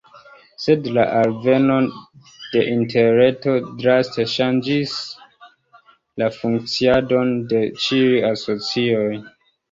Sed la alveno de interreto draste ŝanĝis la funkciadon de ĉiuj asocioj.